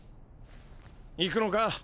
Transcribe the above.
行くのか？